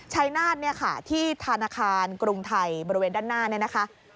ชัยนาศที่ธนาคารกรุงไทยบริเวณด้านหน้านี่นะคะ